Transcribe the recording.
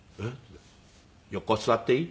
「横座っていい？」